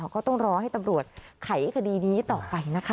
ก็ต้องรอให้ตำรวจไขคดีนี้ต่อไปนะคะ